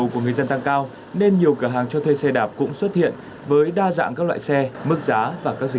kính chào tạm biệt và hẹn gặp lại